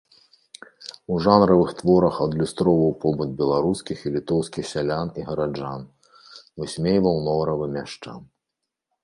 У жанравых творах адлюстроўваў побыт беларускіх і літоўскіх сялян і гараджан, высмейваў норавы мяшчан.